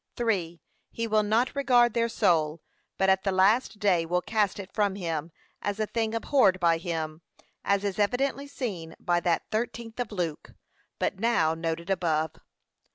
3. He will not regard their soul, but at the last day will cast it from him, as a thing abhorred by him. As is evidently seen by that thirteenth of Luke, but now noted above.